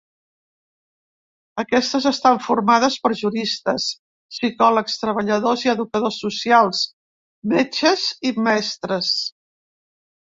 Aquestes estan formades per juristes, psicòlegs, treballadors i educadors socials, metges i mestres.